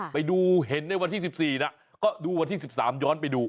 ไปดูเห็นในวันที่๑๔นะก็ดูวันที่๑๓ย้อนไปดู